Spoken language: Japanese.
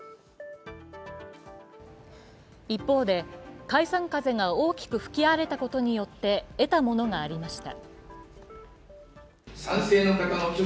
一方で、解散風が大きく吹き荒れたことによって得たものがありました。